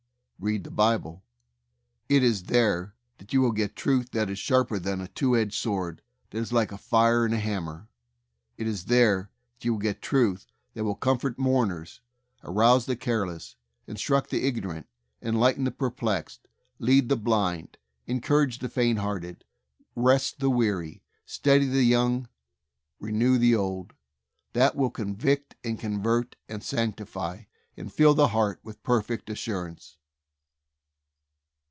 Read the Bible. It is there that you will get truth that is sharper than a two edged sword, that is like a fire and a hammer. It is there that you will get truth that will comfort mourners, arouse the careless, instruct the ignorant, enlighten the perplexed, lead the blind, en BIBLE STUDY. 175 courage the fainthearted, rest the weary, steady the young, renew the old, that will convict and convert and sanctify and fill the heart with perfect assurance.